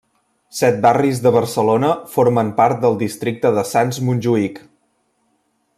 Set barris de Barcelona formen part del districte de Sants-Montjuïc.